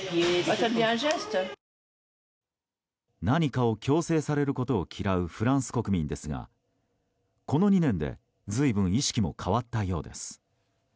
何かを強制されることを嫌うフランス国民ですがこの２年で随分、意識も変わったようです。